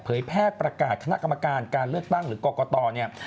แพทย์ประกาศคณะกรรมการการเลือกตั้งหรือกรกตเนี่ย